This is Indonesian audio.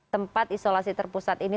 tempat isolasi terpusat ini